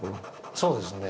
そうですね。